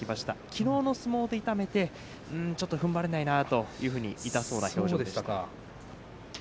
きのうの相撲で痛めて、ちょっとふんばれないと痛そうな表情です。